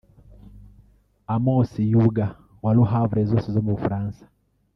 Amos Youga wa Le Havre zose zo mu Bufaransa